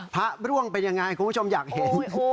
พระร่วงเป็นยังไงคุณผู้ชมอยากเห็น